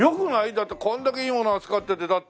だってこんだけいいもの扱っててだって。